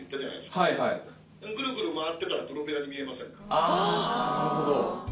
ああなるほど。